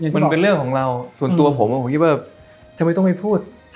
มันเป็นเรื่องของเราส่วนตัวผมผมคิดว่าทำไมต้องไม่พูด